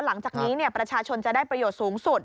หลังจากนี้ประชาชนจะได้ประโยชน์สูงสุด